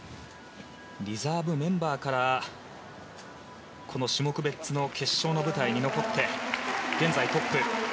リザーブメンバーからこの種目別の決勝の舞台に残って現在トップ。